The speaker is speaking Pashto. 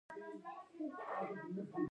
دوی مکتبونه او نصاب جوړوي.